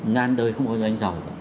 ngàn đời không bao giờ anh giàu cả